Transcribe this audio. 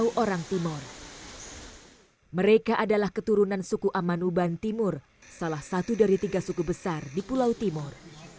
mereka adalah keturunan suku amanuban timur salah satu dari tiga suku besar di pulau timur